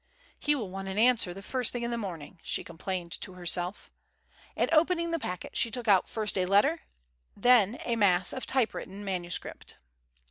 "He will want an answer the first thing in the morning," she complained to herself. And opening the packet, she took out first a letter, and then a mass of typewritten manuscript.